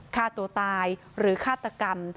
ฆ่าตัวตายหรือฆาตกรรม